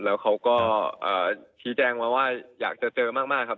แล้วเขาก็ชี้แจงมาว่าอยากจะเจอมากครับ